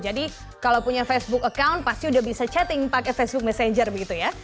jadi kalau punya facebook account pasti sudah bisa chatting pakai facebook messenger begitu ya